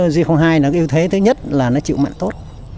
g hai nó yêu thế thứ nhất là nó chịu mặn tốt